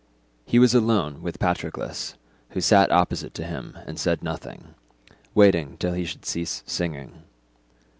He was alone with Patroclus, who sat opposite to him and said nothing, waiting till he should cease singing.